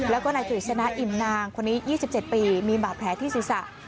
แล้วก็นายถุฤษณาอิมนางคนนี้๒๗ปีมีบาปแพ้ที่ศิษย์ศาสตร์